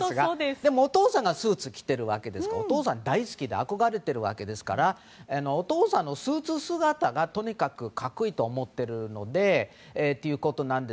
でも、お父さんがスーツを着ているのでお父さん大好きで憧れているわけですからお父さんのスーツ姿がとにかく格好いいと思っているわけですが。